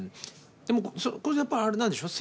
でもこれやっぱあれなんでしょ